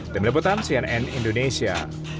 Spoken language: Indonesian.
demi deputan cnn indonesia